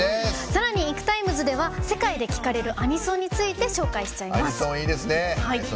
さらに「ＩＫＵＴＩＭＥＳ」では世界で聴かれるアニソンについてアニソンいいですね。